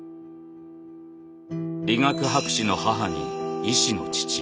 理学博士の母に医師の父。